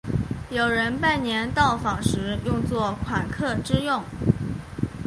有人拜年到访时用作款客之用。